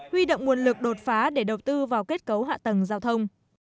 huy động nguồn lực đột phá để đầu tư vào kết cấu hạ tầng giao thông